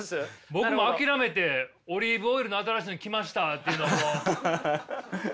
僕もう諦めてオリーブオイルの新しいの来ましたっていうのもう放ってますよ。